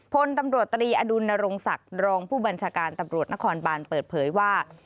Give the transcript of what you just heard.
พลตำรวจตรีอดุลนรงศักดิ์รองผู้บัญชาการตำรวจนครบานเปิดเผยว่า